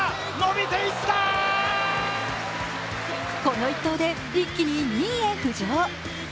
この１投で一気に２位へ浮上。